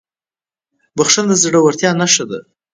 بښنه د زړهورتیا نښه ده.